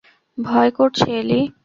ভয় করছে, এলী?